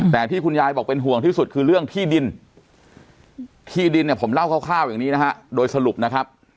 แต่ที่คุณยายบอกเป็นห่วงที่สุดคือเรื่องที่ดินที่ดินเนี่ยผมเล่าคร่าวอย่างนี้นะฮะโดยสรุปนะครับ